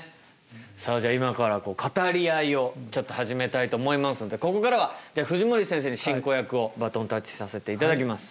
さあじゃあ今から語り合いをちょっと始めたいと思いますのでここからはじゃあ藤森先生に進行役をバトンタッチさせていただきます。